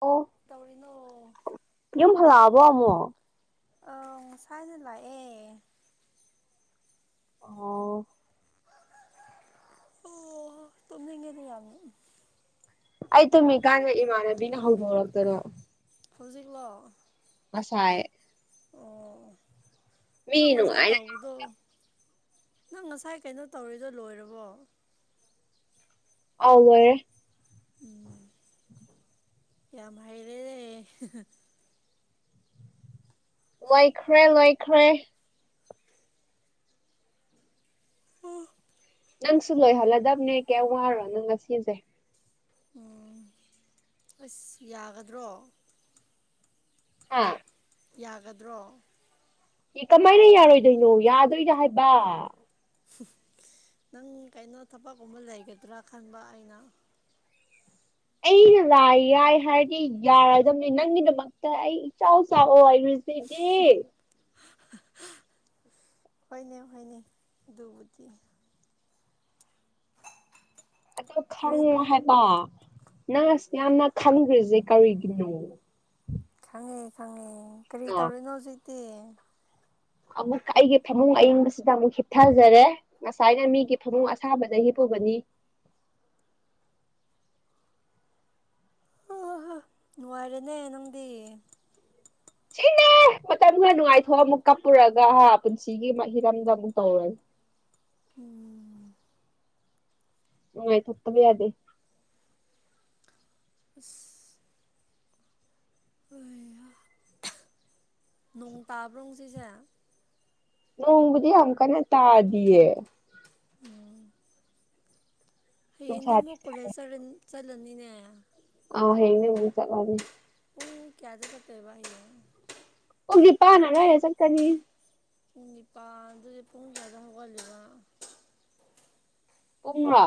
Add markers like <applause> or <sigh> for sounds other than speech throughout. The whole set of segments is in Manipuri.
ꯑꯣ ꯇꯧꯔꯤꯅꯣ ꯌꯨꯝ ꯍꯜꯂꯛꯑꯕꯣ ꯑꯃꯨꯛ ꯑꯪ ꯉꯁꯥꯏꯅ ꯂꯥꯛ ꯑꯦ ꯑꯣ <unintelligible> ꯇꯨꯝꯅꯤꯡꯉꯦꯅꯦ ꯌꯥꯝ ꯑꯩ ꯇꯨꯝꯃꯤꯀꯥꯟꯗ ꯏꯃꯥꯟꯅꯕꯤꯅ ꯍꯧꯗꯣꯔꯛꯇꯅꯣ ꯍꯧꯖꯤꯛꯂꯣ ꯉꯁꯥꯏ ꯑꯣ ꯃꯤ ꯅꯪ ꯉꯁꯥꯏ ꯅꯨꯡꯉꯥꯏꯅ ꯇꯧꯕꯗꯣ ꯅꯪ ꯉꯁꯥꯏ ꯀꯩꯅꯣ ꯇꯧꯔꯤꯗꯣ ꯂꯣꯏꯔꯕꯣ ꯑꯧ ꯂꯣꯏꯔꯦ ꯎꯝ ꯌꯥꯝ ꯍꯥꯏꯔꯦꯅꯦ <unintelligible> ꯂꯣꯏꯈ꯭ꯔꯦ ꯂꯣꯏꯈ꯭ꯔꯦ ꯅꯪꯁꯨ ꯂꯣꯏꯍꯜꯂꯗꯕꯅꯦ ꯀꯩꯝ ꯋꯥꯔꯨꯔꯅꯨ ꯉꯁꯤꯁꯦ ꯑꯁ ꯌꯥꯒꯗ꯭ꯔꯣ ꯍꯥ ꯌꯥꯒꯗ꯭ꯔꯣ ꯑꯦ ꯀꯃꯥꯏꯅ ꯌꯥꯔꯣꯏꯗꯣꯏꯅꯣ ꯌꯥꯗꯣꯏꯅꯦ ꯍꯥꯏꯕ <unintelligible> ꯅꯪ ꯀꯩꯅꯣ ꯊꯕꯛꯀꯨꯝꯕ ꯂꯩꯒꯗ꯭ꯔꯥ ꯈꯟꯕ ꯑꯩꯅ ꯑꯩꯅ ꯂꯥꯏ ꯌꯥꯏ ꯍꯥꯏꯔꯗꯤ ꯌꯥꯔꯗꯕꯅꯤ ꯅꯪꯒꯤꯗꯃꯛꯇ ꯑꯩ ꯏꯆꯥꯎ ꯆꯥꯎꯑꯣ ꯁꯤꯗꯤ ꯍꯣꯏꯅꯦ ꯍꯣꯏꯅꯦ ꯑꯗꯨꯕꯨꯗꯤ ꯑꯗꯣ ꯀꯔꯤ ꯈꯪꯉꯣ ꯍꯥꯏꯕ ꯅꯪꯅ ꯑꯁꯨꯛ ꯌꯥꯝꯅ ꯈꯪꯗ꯭ꯔꯤꯁꯤꯅ ꯀꯔꯤꯒꯤꯅꯣ ꯈꯪꯉꯦ ꯈꯪꯉꯦ ꯀꯔꯤ ꯑ ꯇꯧꯔꯤꯅꯣ ꯍꯧꯖꯤꯛꯇꯤ ꯑꯃꯨꯛ ꯑꯩꯒꯤ ꯐꯃꯨꯡ ꯑꯏꯪꯕꯁꯤꯗ ꯑꯃꯨꯛ ꯍꯝꯞꯊꯖꯔꯦ ꯉꯁꯥꯏꯅ ꯃꯤꯒꯤ ꯐꯃꯨꯡ ꯑꯁꯥꯕꯗ ꯍꯤꯞꯄꯨꯕꯅꯤ ꯑꯣ ꯅꯨꯡꯉꯥꯏꯔꯦꯅꯦ ꯅꯪꯗꯤ ꯁꯤꯅꯦ ꯃꯇꯝ ꯈꯔ ꯅꯨꯡꯉꯥꯏꯊꯣꯛꯑ ꯑꯃꯨꯛ ꯀꯥꯞꯄꯨꯔꯒ ꯍꯥ ꯄꯨꯟꯁꯤꯒꯤ ꯍꯤꯔꯝꯗ ꯑꯃꯨꯛ ꯇꯧꯔꯅꯤ ꯅꯨꯡꯉꯥꯏ ꯊꯣꯛꯇꯕ ꯌꯥꯗꯦ ꯑꯁ ꯅꯣꯡ ꯇꯥꯕ꯭ꯔꯣ ꯉꯁꯤꯁꯦ ꯅꯣꯡꯕꯨꯗꯤ ꯌꯥꯝ ꯀꯟꯅ ꯇꯥꯗꯤꯑꯦ ꯎꯝ ꯍꯌꯦꯡꯗꯤ ꯅꯨꯡꯁꯥꯗꯤ ꯑꯃꯨꯛ ꯀꯣꯂꯦꯖ ꯆꯠꯂꯅꯤꯅꯦ ꯑꯧ ꯍꯌꯦꯡꯗꯩ ꯑꯃꯨꯛ ꯆꯠꯂꯅꯤ ꯄꯨꯡ ꯀꯌꯥꯗꯩ ꯆꯠꯇꯣꯏꯕ ꯍꯌꯦꯡ ꯄꯨꯡ ꯅꯤꯄꯥꯟ ꯑꯗꯥꯏꯗ ꯆꯠꯀꯅꯤ ꯄꯨꯡ ꯅꯤꯄꯥꯜꯗꯨꯗꯤ ꯄꯨꯡ ꯀꯌꯥꯗ ꯍꯧꯒꯠꯂꯤꯕ ꯄꯨꯡꯔꯣ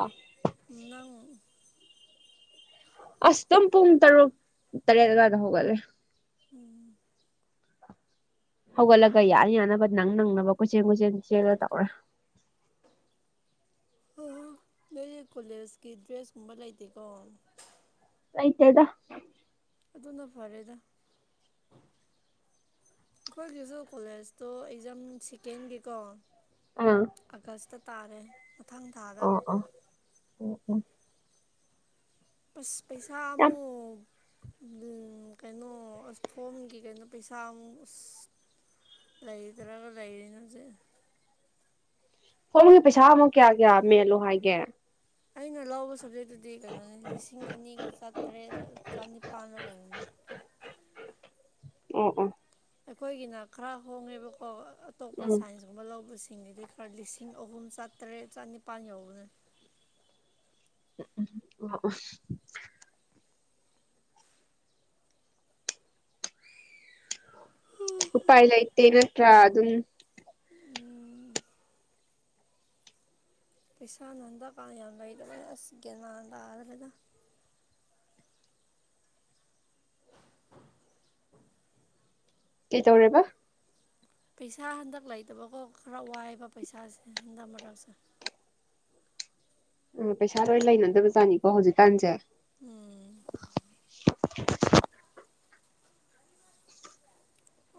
ꯅꯪ ꯑꯁ ꯑꯗꯨꯝ ꯄꯨꯡ ꯇꯔꯨꯛ ꯇꯔꯦꯠ ꯑꯗꯨꯋꯥꯏꯗ ꯍꯧꯒꯠꯂꯦ ꯎꯝ ꯍꯧꯒꯠꯂꯒ ꯌꯥ ꯌꯥꯅꯕ ꯅꯪ ꯅꯪꯅꯕ ꯀꯣꯏꯆꯦꯟ ꯀꯣꯏꯆꯦꯟ ꯆꯦꯜꯂ ꯇꯧꯔꯦ ꯅꯣꯏ ꯀꯣꯂꯦꯖꯀꯤ ꯗ꯭ꯔꯦꯁ ꯀꯨꯝꯕ ꯂꯩꯇꯦꯀꯣ ꯑꯥꯏꯇꯦꯗ ꯑꯗꯨꯅ ꯐꯔꯦꯗ ꯑꯩꯈꯣꯏꯒꯤꯁꯨ ꯀꯣꯂꯦꯖꯇꯣ ꯑꯦꯛꯖꯥꯝ ꯁꯤꯀꯦꯟꯒꯤꯀꯣ ꯑꯥ ꯑꯥꯒꯁꯇ ꯇꯥꯔꯦ ꯃꯊꯪ ꯊꯥꯗ ꯑꯣ ꯑꯣ ꯎꯝ ꯎꯝ ꯑꯁ ꯄꯩꯁꯥ ꯌꯥꯝ ꯑꯃꯨꯛ ꯎꯝ ꯀꯩꯅꯣ ꯑꯁ ꯐꯣꯝꯒꯤ ꯀꯩꯅꯣ ꯄꯩꯁꯥ ꯑꯃꯨꯛ ꯑꯁ ꯂꯩꯥꯏꯗ꯭ꯔꯥꯒ ꯂꯩꯔꯤꯅꯁꯦ ꯍꯣꯡꯕꯒꯤ ꯄꯩꯁꯥ ꯑꯃꯨ ꯀꯌꯥ ꯀꯌꯥ ꯃꯦꯜꯂꯣ ꯍꯥꯏꯒꯦ ꯑꯩꯅ ꯂꯧꯕ ꯁꯕꯖꯦꯛꯇꯨꯗꯤ ꯀꯩꯅꯣꯅꯤ ꯂꯤꯁꯤꯡ ꯑꯅꯤꯒ ꯆꯥꯇ꯭ꯔꯦꯠ ꯆꯅꯤꯄꯥꯟꯗ ꯑꯣꯏꯔꯅꯦ ꯎꯝ ꯎꯝ ꯑꯩꯈꯣꯏꯒꯤꯅ ꯈꯔ ꯍꯣꯡꯉꯦꯕꯀꯣ ꯑꯇꯣꯞꯄ ꯎꯝ ꯁꯥꯏꯟꯁ ꯋꯂꯧꯕꯁꯤꯡꯒꯤꯗꯤ ꯈꯔ ꯂꯤꯁꯤꯡ ꯑꯍꯨꯝ ꯆꯥꯇꯔꯦꯠ ꯆꯅꯤꯄꯥꯜ ꯌꯧꯕꯅꯤ ꯎꯝ <unintelligible> ꯎꯄꯥꯏ ꯂꯩꯥꯇꯦ ꯅꯠꯇ꯭ꯔꯥ ꯑꯗꯨꯝ ꯎꯝ ꯄꯩꯁꯥ ꯅꯥꯟꯗ ꯀꯥꯟ ꯌꯥꯝ ꯂꯩꯗꯕꯅ ꯑꯁ ꯒꯟ ꯃꯟ ꯇꯥꯗ꯭ꯔꯦꯗ ꯀꯩ ꯇꯧꯔꯦꯕ ꯄꯩꯁꯥ ꯍꯟꯗꯛ ꯂꯩꯇꯕꯀꯣ ꯈꯔ ꯋꯥꯏꯑꯦꯕ ꯄꯩꯁꯥꯁꯦ ꯍꯟꯗꯛ ꯃꯔꯛꯁꯦ ꯎꯝ ꯄꯩꯁꯥ ꯂꯣꯏꯅ ꯂꯩꯅꯗꯕ ꯖꯥꯠꯅꯤꯀꯣ ꯍꯧꯖꯤꯛꯀꯥꯟꯁꯦ ꯎꯝ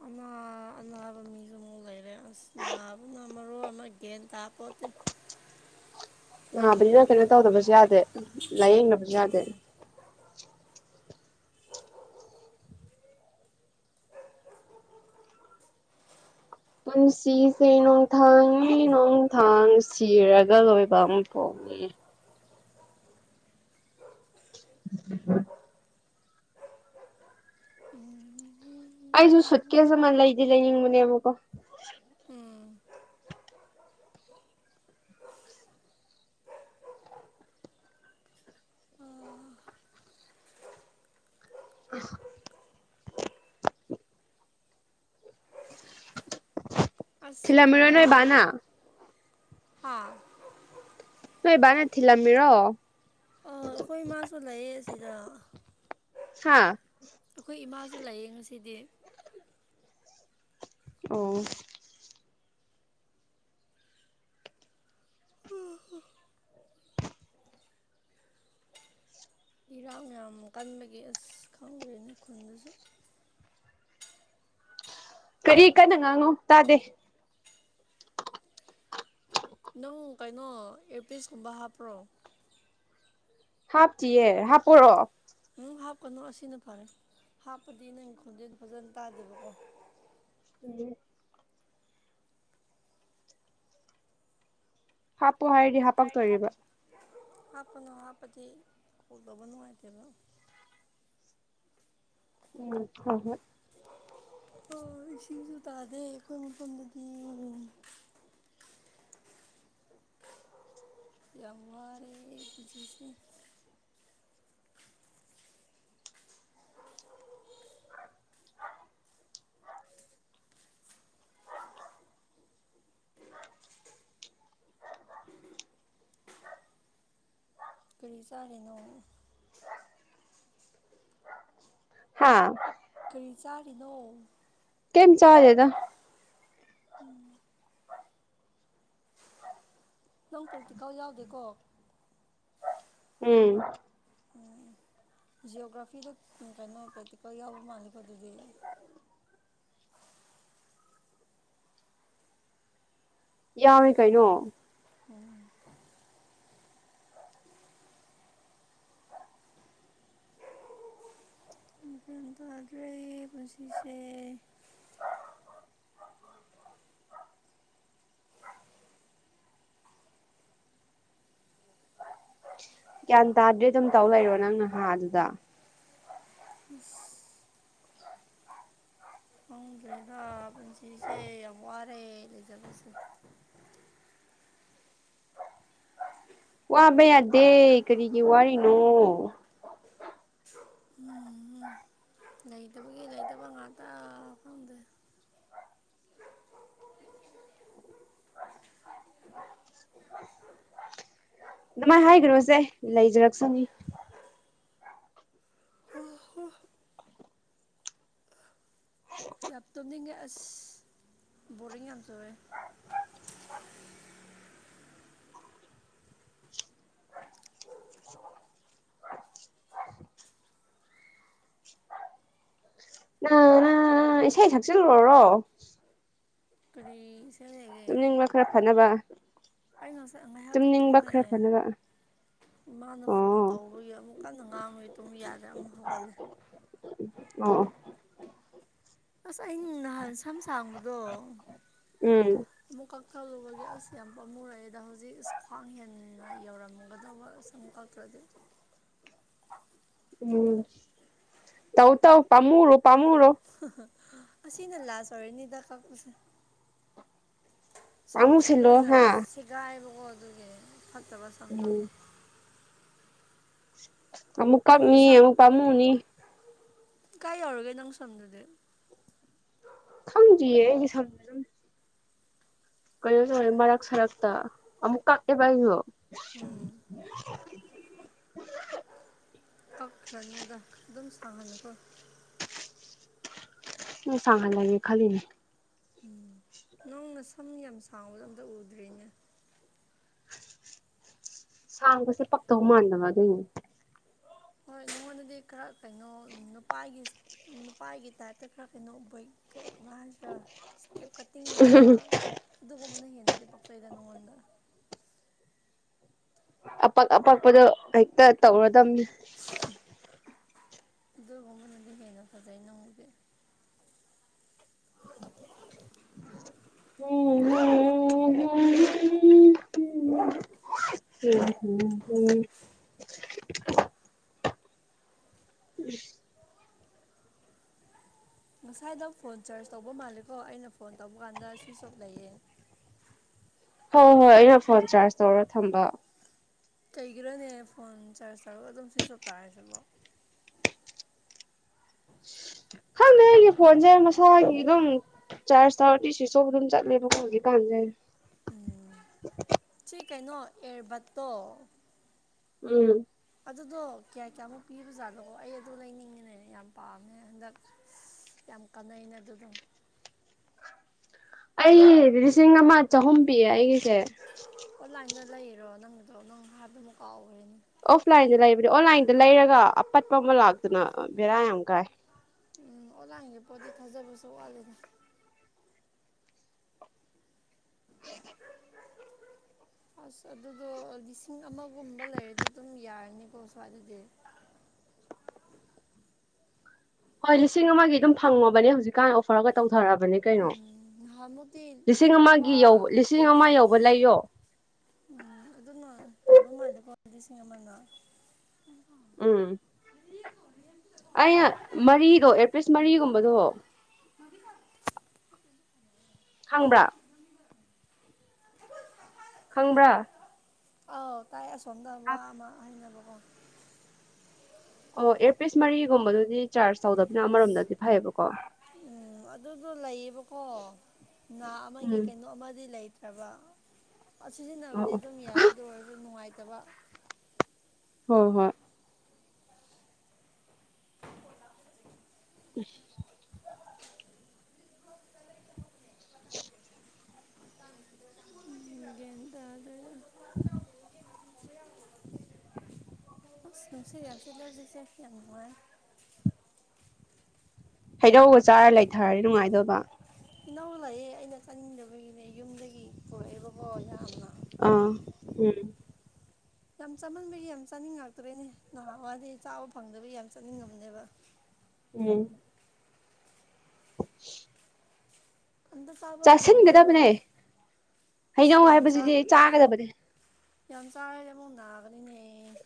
ꯑꯅꯥ ꯑꯅꯥꯕ ꯃꯤꯁꯨ ꯑꯃꯨꯛ ꯂꯩꯔꯦ ꯑꯁ ꯅꯥꯕꯅ ꯃꯔꯣꯟꯑꯃ ꯒꯟ ꯇꯥꯄꯣꯠꯇꯦ ꯅꯥꯕꯅꯤꯅ ꯀꯩꯅꯣ ꯇꯧꯗꯕꯁꯨ ꯌꯥꯗꯦ ꯂꯥꯏꯌꯦꯡꯗꯕꯁꯨ ꯌꯥꯗꯦ ꯄꯨꯟꯁꯤꯁꯦ ꯅꯣꯡꯊꯥꯡꯅꯤ ꯅ ꯣꯡꯊꯥꯡ ꯁꯤꯔꯒ ꯂꯣꯏꯕ ꯑꯃ ꯄꯣꯛ ꯅꯤ <unintelligible> ꯑꯩꯁꯨ ꯁꯨꯠ ꯀꯦꯁ ꯃꯂ ꯂꯩꯗꯂ ꯅꯤꯡꯪ ꯃꯅꯦꯕꯒꯣ ꯎꯝ ꯑꯁ ꯑꯁ ꯊꯤꯂꯝꯃꯤꯔꯣꯅꯣꯏ ꯕꯥꯅꯥ ꯍꯥꯥ ꯅꯣꯏꯕꯅ ꯊꯤꯔꯝꯃꯤꯔꯣ ꯑꯥ ꯑꯩꯈꯣꯏ ꯏꯃꯥꯁꯨ ꯂꯩꯌꯦ ꯁꯤꯗ ꯍꯥꯥ ꯑꯩꯈꯣꯏ ꯏꯃꯥꯁꯨ ꯂꯩꯌꯦꯡ ꯉꯁꯤꯗꯤ ꯑꯣ ꯏꯔꯥꯡ ꯌꯥꯝ ꯀꯟꯕꯒꯤ ꯑꯁ ꯈꯪꯗꯔꯦꯅꯦꯈꯨꯟꯗꯁꯨ ꯀꯔꯤ ꯀꯟꯅ ꯉꯥꯡꯉꯣ ꯇꯥꯗꯦ ꯅꯪ ꯀꯩꯅꯣ ꯏꯌꯔꯄꯤꯁꯀꯨꯝꯕ ꯍꯥꯞꯄ꯭ꯔꯣ ꯍꯞ ꯇꯤꯌꯦꯍꯥꯞꯄꯣꯔꯣ ꯎꯝ ꯍꯥꯞꯀꯅꯨ ꯑꯁꯤꯅ ꯐꯔꯦ ꯍꯥꯞꯄꯗꯤ ꯅꯪꯒꯤ ꯈꯣꯟꯖ ꯦꯗꯣ ꯐꯖꯅ ꯇꯥꯗꯦꯕꯀꯣ ꯎꯝ ꯍꯥꯞꯄꯨ ꯍꯥꯏꯔꯗꯤ ꯍꯥꯄꯛꯇꯣꯔꯤꯕ ꯍꯥꯞꯄꯅꯣ ꯍꯥꯞ ꯄꯗꯤ ꯀꯣꯟꯇꯧꯕ ꯅꯨꯡꯉꯥꯏ ꯇꯦꯕꯥ ꯎꯝ ꯍꯣꯏ ꯍꯣꯏ ꯑꯣ ꯏꯁꯤꯡꯁꯨ ꯇꯥꯗꯦ ꯑꯩꯈꯣꯏ ꯃꯐꯝꯗꯗꯤ ꯌꯥꯝ ꯋꯥꯔꯦ ꯄꯨꯟꯁꯤꯁꯦ ꯀꯔꯤ ꯆꯥꯔꯤꯅꯣ ꯍꯥꯥ ꯀꯔꯤ ꯆꯥꯔꯤꯅꯣ ꯀꯦꯝ ꯆꯥꯗꯦꯗ ꯅꯪ ꯄ꯭ꯔꯦꯛꯇꯤꯀꯦꯜ ꯌꯥꯎꯗꯦꯀꯣ ꯎꯝ ꯖꯤꯑꯣꯒ꯭ꯔꯥꯐꯤꯗ ꯀꯩꯅꯣ ꯄ꯭ꯔꯦꯛꯇꯤꯀꯦꯜ ꯌꯥꯎꯕ ꯃꯥꯜꯂꯤꯀꯣ ꯑꯗꯨꯗꯤ ꯌꯥꯎꯌꯦ ꯀꯩꯅꯣ ꯎꯝ ꯒ꯭ꯌꯥꯟ ꯇꯥꯗ꯭ꯔꯦ ꯄꯨꯟꯁꯤꯁꯦ ꯒ꯭ꯌꯥꯟ ꯇꯥꯗ꯭ꯔꯦ ꯑꯗꯨꯝ ꯇꯧ ꯂꯩꯔꯣ ꯅꯪꯅ ꯍꯥꯥ ꯑꯗꯨꯗ ꯢꯁ ꯑꯗ ꯄꯨꯟꯁꯤꯁꯦ ꯌꯥꯝ ꯋꯥꯔꯦ ꯂꯩꯖꯕꯁꯦ ꯋꯥꯕ ꯌꯥꯗꯦ ꯀꯔꯤꯒꯤ ꯋꯥꯔꯤꯅꯣ ꯎꯝ ꯂꯩꯇꯕꯒꯤ ꯂꯩꯇꯕ ꯉꯥꯛꯇ ꯈꯪꯗꯦ ꯑꯗꯨꯃꯥꯏꯅ ꯍꯥꯏꯒꯅꯨꯁꯦ ꯂꯩꯖꯔꯛꯆꯥꯅꯤ ꯌꯥꯝ ꯇꯨꯝꯅꯤꯡꯉꯦ ꯑꯁ ꯕꯣꯔꯤꯡ ꯌꯥꯝ ꯆꯨꯢꯌꯦ <unintelligible> ꯅ ꯅ ꯏꯁꯩ ꯁꯛꯆꯤꯜꯂꯨꯔꯣ ꯢꯁ ꯇꯨꯝꯅꯤꯡꯕ ꯈꯔ ꯐꯅꯕ ꯑꯩ ꯉꯁꯥꯢ ꯉꯥꯏꯍꯥꯛꯇꯤ ꯇꯨꯝꯅꯤꯡꯕ ꯇꯨꯝꯃꯦ ꯈꯔ ꯐꯅꯕ ꯏꯃꯥꯅ ꯐꯣꯟ ꯑꯣ ꯇꯧꯔꯨꯏ ꯑꯃꯨꯛ ꯀꯟꯅ ꯉꯥꯡꯉꯨꯏ ꯑꯗꯨꯝ ꯌꯥꯗ ꯑꯃꯨꯛ ꯍꯧꯒꯠꯂꯦ ꯑꯣ ꯑꯁ ꯑꯩ ꯅꯍꯥꯟ ꯁꯝ ꯁꯥꯡꯕꯗꯣ ꯎꯝ ꯑꯃꯨꯛ ꯀꯛꯊꯠꯂꯨꯕꯒꯤ ꯑꯁ ꯌꯥꯝ ꯄꯥꯝꯃꯨꯔꯛꯑꯦꯗ ꯍꯧꯖꯤꯛ ꯈ꯭ꯋꯥꯡ ꯍꯦꯟꯅ ꯌꯧꯔꯝꯒꯗꯕ ꯑꯁ ꯑꯃꯨꯛ ꯀꯥꯛꯇ꯭ꯔꯗꯤ ꯎꯝ ꯇꯧ ꯇꯧ ꯄꯥꯝꯃꯨꯔꯣ ꯄꯥꯝꯃꯨꯔꯣ ꯑꯁꯤꯅ ꯂꯥꯢꯁ ꯑꯣꯢꯔꯅꯤꯗ ꯀꯥꯛꯄꯁꯦ ꯁꯝꯁꯦ ꯄꯥꯝꯃꯨꯁꯤꯜꯂꯣ ꯂꯣꯏꯅ ꯍꯥ ꯁꯦꯒꯥꯏꯕꯀꯣ ꯑꯗꯨꯒꯤ ꯐꯠꯇꯕ ꯁꯝꯗꯣ ꯎꯝ ꯑꯃꯨꯛ ꯅꯪꯒꯤ ꯀꯝꯅꯤ ꯁꯝ ꯑꯃꯨꯛ ꯄꯥꯃꯨꯅꯤ ꯀꯥꯏ ꯑꯣꯏꯔꯒꯦ ꯅꯪ ꯁꯥꯝꯗꯨꯨꯗꯤ ꯈꯪꯗꯦꯌꯦ ꯑꯩꯒꯤ ꯁꯥꯝꯗꯤ ꯀꯩꯅꯣ ꯇꯧꯔꯦ ꯃꯔꯛ ꯁꯔꯛꯇ ꯑꯃꯨꯛ ꯀꯛꯑꯦꯕ ꯑꯩꯁꯨ ꯎꯝ ꯀꯛꯈ꯭ꯔꯅꯨꯗ ꯑꯗꯨꯝ ꯁꯥꯡꯍꯜꯂꯨꯀꯣ ꯑꯝ ꯁꯥꯡꯍꯥꯜꯂꯒꯦ ꯈꯥꯜꯂꯤꯅꯦ ꯅꯪꯅ ꯁꯝ ꯌꯥꯝ ꯁꯥꯡꯕꯗꯣ ꯑꯝꯇ ꯎꯗ꯭ꯔꯤꯅꯦ ꯁꯥꯡꯕꯁꯦ ꯄꯥꯛꯇꯧ ꯃꯥꯟꯗꯕ ꯑꯗꯨꯏꯅꯦ ꯍꯣꯏ ꯅꯪꯉꯣꯟꯗꯗꯤ ꯈꯔ ꯀꯩꯅꯣ ꯅꯨꯄꯥꯒꯤ ꯅꯨꯄꯥꯒꯤ ꯇꯥꯏꯞꯇ ꯈꯔ ꯀꯩꯅꯣ ꯕꯣꯢ ꯀꯩ ꯀꯃꯥꯢ ꯍꯥꯢꯁꯤꯔ ꯏꯁꯇꯦꯞ ꯀꯠꯇꯤꯡꯒꯨꯝꯕ ꯑꯗꯨꯒꯨꯝꯕꯅ ꯍꯦꯟꯅꯗꯤ ꯄꯥꯛꯆꯩꯗ ꯅꯉꯣꯟꯗꯅ ꯑꯄꯥꯛꯛ ꯑꯄꯥꯛꯄꯗꯣ ꯍꯦꯛꯇ ꯇꯧꯔꯗꯕꯅꯤ ꯑꯗꯨꯒꯨꯝꯕꯅꯗꯤ ꯍꯦꯟꯅ ꯐꯖꯩ ꯅꯪꯗꯤ ꯎ <inaudible> ꯍ ꯍꯝ <inaudible> ꯎꯝ <inaudible> ꯉꯁꯥꯏꯗ ꯐꯣꯟ ꯆꯥꯔꯖ ꯇꯧꯕ ꯃꯥꯜꯂꯦꯀꯣ ꯑꯩꯅ ꯐꯣꯟ ꯇꯧꯕ ꯀꯥꯟꯗ ꯁ꯭ꯋꯤꯁ ꯑꯣꯞ ꯂꯩꯌꯦ ꯍꯣꯏ ꯍꯣꯏ ꯑꯩꯅ ꯐꯣꯟ ꯆꯥꯔꯖ ꯇꯧꯔꯒ ꯊꯝꯕ ꯀꯩꯒꯤꯔꯣꯅꯦ ꯐꯣꯟ ꯆꯥꯔꯖ ꯇꯧꯔꯒ ꯑꯗꯨꯝ ꯁ꯭ꯋꯁꯣꯞ ꯇꯥꯔꯁꯤꯕꯣ ꯈꯪꯗꯦ ꯑꯩꯒꯤ ꯐꯣꯟꯁꯦ ꯃꯁꯥꯒꯤ ꯑꯗꯨꯝ ꯆꯥꯔꯁ ꯇꯧꯔꯗꯤ ꯁꯨ꯭ꯋꯤꯞ ꯁꯣꯕ ꯑꯗꯨꯝ ꯆꯠꯂꯦꯕꯀꯣ ꯍꯧꯖꯤꯛꯀꯥꯟꯁꯦ ꯎꯝ ꯁꯤ ꯀꯩꯅꯣ ꯑꯦꯔꯕꯥꯠꯇꯣ ꯎꯝ ꯑꯗꯨꯗꯣ ꯀꯌꯥ ꯀꯌꯥꯃꯨꯛ ꯄꯤꯕꯖꯥꯠꯅꯣ ꯑꯩ ꯑꯗꯨ ꯂꯩꯅꯤꯡꯉꯤꯅꯦꯅꯦ ꯌꯥꯝ ꯄꯥꯝꯃꯦ ꯍꯟꯗꯛ ꯌꯥꯝ ꯀꯥꯟꯅꯩꯩꯅ ꯑꯗꯨ ꯑꯗꯨꯝ ꯑꯩ ꯂꯤꯁꯤꯡ ꯑꯃ ꯆꯍꯨꯝ ꯄꯤꯌꯦ ꯑꯩꯒꯤꯁꯦ ꯑꯣꯟꯂꯥꯏꯟꯗ ꯂꯩꯔꯣ ꯅꯪꯒꯤꯗꯣ ꯅꯪ ꯍꯥꯏꯕ ꯑꯃꯛ ꯀꯥꯎꯈ꯭ꯔꯦꯅꯦ ꯑꯣꯐꯂꯥꯏꯟꯗ ꯂꯩꯕꯅꯤ ꯑꯣꯟꯂꯥꯏꯟꯗ ꯂꯩꯔꯒ ꯑꯄꯠꯄ ꯑꯃ ꯂꯥꯛꯇꯅ ꯕꯦꯔꯥ ꯌꯥꯝ ꯀꯥꯏ ꯎꯝ ꯑꯣꯟꯂꯥꯏꯟꯒꯤ ꯄꯣꯠꯇꯤ ꯊꯥꯖꯕꯁꯨ ꯋꯥꯠꯂꯦꯗ <unintelligible> ꯑꯁ ꯑꯗꯨꯗꯣ ꯂꯤꯁꯤꯡ ꯑꯃꯒꯨꯝꯕ ꯂꯩꯔꯗꯤ ꯑꯗꯨꯝ ꯌꯥꯔꯅꯤꯀꯣ ꯁ꯭ꯋꯥꯏ ꯑꯗꯨꯗꯤ ꯍꯣꯏ ꯂꯤꯁꯤꯡ ꯑꯃꯒꯤ ꯑꯗꯨꯝ ꯐꯪꯉꯕꯅꯦ ꯍꯧꯖꯤꯛꯀꯥꯟ ꯑꯣꯐꯔꯒ ꯇꯧꯊꯔꯛꯑꯕꯅꯦ ꯀꯩꯅꯣ ꯎꯝ ꯅꯍꯥꯟꯃꯨꯛꯇꯤ ꯂꯤꯁꯤꯡ ꯂꯨꯄꯥ ꯑꯃꯒꯤ ꯌꯧꯕ ꯂꯤꯁꯤꯡ ꯑꯃ ꯌꯧꯕ ꯂꯩꯌꯣ ꯎꯝ ꯑꯗꯨꯅ ꯐꯥꯕ ꯃꯥꯜꯂꯦꯀꯣ ꯂꯤꯁꯤꯡ ꯑꯃꯅ ꯎꯝ ꯑꯩꯅ ꯃꯔꯤꯗꯣ ꯑꯦꯔꯄꯤꯁ ꯃꯔꯤꯒꯨꯝꯕꯗꯣ ꯃꯗꯤ ꯈꯪꯕ꯭ꯔꯥ ꯈꯪꯕ꯭ꯔꯥ ꯑꯥꯎ ꯇꯥꯏ ꯑꯁꯣꯝꯗ ꯋꯥ ꯑꯃ ꯍꯥꯏꯕꯀꯣ ꯑꯣ ꯏꯌꯔꯄꯤꯁ ꯃꯔꯤꯒꯨꯝꯕꯗꯨꯗꯤ ꯆꯥꯔꯖ ꯇꯧꯗꯕꯅ ꯑꯁ ꯑꯃꯔꯣꯝꯗꯗꯤ ꯐꯩꯌꯦꯕꯀꯣ ꯎꯝ ꯑꯗꯨꯗꯣ ꯂꯩꯌꯦꯕꯀꯣ ꯥ ꯑꯃꯒꯤ ꯎꯝ ꯀꯩꯅꯣ ꯑꯃꯗꯤ ꯂꯩꯇ ꯍꯥꯏꯕ ꯁꯤꯖꯤꯟꯅꯕꯗꯤ ꯑꯣ ꯑꯣ ꯑꯗꯨꯝ ꯌꯥꯏ ꯑꯗꯨ ꯑꯣꯏꯔꯁꯨ ꯅꯨꯡꯉꯥꯏꯇꯕ ꯍꯣꯏ ꯍꯣꯏ ꯀ <unintelligible> <inaudible> ꯍꯦ ꯇ ꯑꯗꯨꯗ <unintelligible> <unintelligible> ꯅꯪꯁꯤꯔꯤꯎꯁꯦꯂꯣꯖꯤꯛ ꯆ ꯐꯈꯤ ꯌꯥꯝꯕꯉꯏ ꯍꯩꯗꯧꯒ ꯆꯥꯔ ꯂꯩꯊꯔꯗꯤ ꯅꯨꯡꯉꯥꯏꯗꯣꯏꯕ ꯏꯅꯥꯎ ꯂꯥꯛꯑꯦ ꯑꯩꯅ ꯆꯪꯅꯤꯡꯗꯕꯒꯤꯅꯦ ꯌꯨꯝꯗꯒꯤ ꯄꯨꯔꯛꯑꯦꯕꯀꯣ ꯌꯥꯝꯅ ꯑꯥ ꯎꯝ ꯌꯥꯝ ꯆꯃꯟꯕꯒꯤ ꯌꯥꯝ ꯆꯥꯅꯤꯡꯉꯛꯇ꯭ꯔꯦꯅꯦ ꯅꯍꯥꯟꯋꯥꯏꯗꯤꯩ ꯆꯥꯕ ꯐꯪꯗꯕꯒꯤ ꯌꯥꯝ ꯆꯥꯅꯤꯡꯉꯕꯅꯦꯕ ꯎꯝ <unintelligible> ꯑꯝꯇ ꯆꯥꯕ ꯐꯪꯗ꯭ꯔꯤꯕꯣ ꯆꯥꯁꯤꯟꯒꯗꯕꯅꯦ ꯑꯁ ꯍꯩꯅꯧ ꯌꯥꯝ ꯆ ꯍꯥꯏꯕꯁꯤꯗꯤ ꯆꯥꯒꯗꯕꯅꯦ ꯌꯥꯝ ꯆꯥꯔꯦ ꯑꯃꯨꯛ ꯅꯥꯒꯅꯤꯅꯦ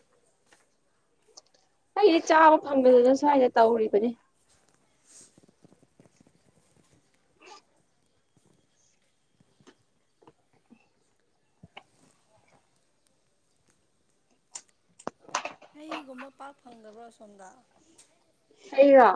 ꯑꯩꯗꯤ ꯆꯥꯕ ꯐꯪꯕꯗꯨꯅ ꯁ꯭ꯋꯥꯏꯗ ꯇꯧꯔꯤꯕꯅꯤ <unintelligible> <inaudible> ꯍꯩꯒꯨꯝꯕ ꯄꯥꯛ ꯐꯪꯗꯕ꯭ꯔꯣ ꯁꯣꯝꯗ ꯑꯩꯒꯣ